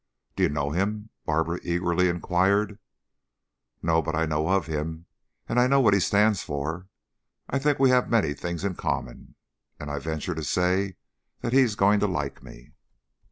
"Do you know him?" Barbara eagerly inquired. "No. But I know of him and I know what he stands for. I think we have many things in common, and I venture to say that he is going to like me."